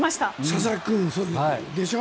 佐々木君、そうでしょ？